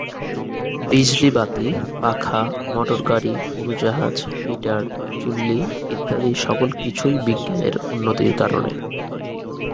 বিজলি বাতি, পাখা, মোটরগাড়ি, উড়োজাহাজ, হিটার, চুল্লি ইত্যাদি সকল কিছুই বিজ্ঞানের উন্নতির কারণে।